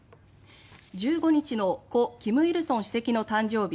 １５日の故・金日成主席の誕生日